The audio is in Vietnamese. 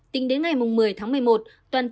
tính đến ngày một mươi một mươi một